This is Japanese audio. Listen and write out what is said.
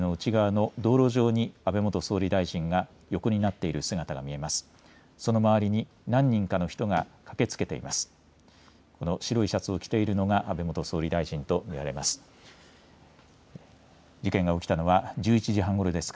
ガードレールの内側の道路上に安倍元総理大臣が横になっている姿が見えます。